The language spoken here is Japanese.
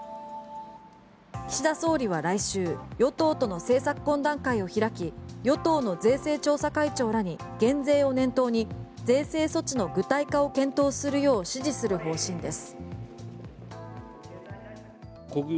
岸田総理は来週与党との政策懇談会を開き与党の税制調査会長らに減税を念頭に税制措置の具体化を検討するよう指示する方針です。